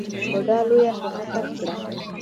بوډا لويه ښېښه کش کړه.